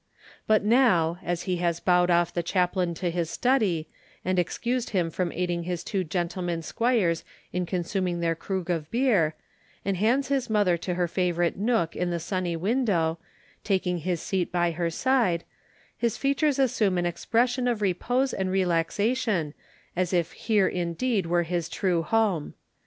But now, as he has bowed off the chaplain to his study, and excused himself from aiding his two gentlemen squires in consuming their krug of beer, and hands his mother to her favourite nook in the sunny window, taking his seat by her side, his features assume an expression of repose and relaxation as if here indeed were his true home.